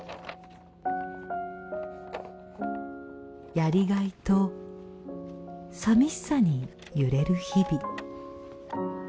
やりがいと寂しさに揺れる日々。